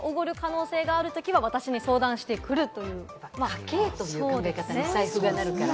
家計という考え方に財布がなるから。